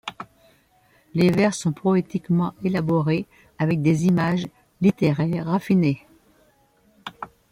Les vers sont poétiquement élaborés, avec des images littéraires raffinées.